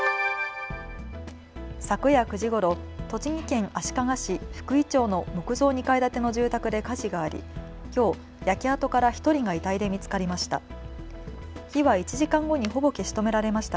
昨夜９時ごろ栃木県足利市福居町の木造２階建ての住宅で火事があり、きょう焼け跡から１人が遺体で見つかりました。